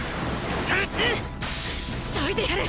削いでやる！